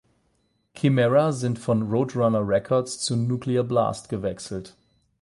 Chimaira sind von Roadrunner Records zu Nuclear Blast gewechselt.